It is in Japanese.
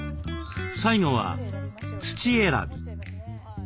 最後は土選び。